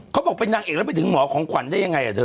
เขาบอกเป็นนางเอกแล้วไปถึงหมอของขวัญได้ยังไงอ่ะเธอ